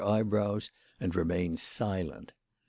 33 eyebrows and remained silent.